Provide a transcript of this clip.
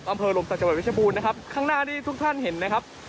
อำเภอลมศักดิ์วิชบูรณ์นะครับข้างหน้าที่ทุกท่านเห็นนะครับ